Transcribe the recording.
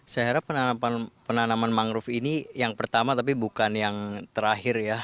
saya harap penanaman mangrove ini yang pertama tapi bukan yang terakhir ya